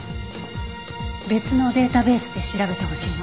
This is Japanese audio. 別のデータベースで調べてほしいの。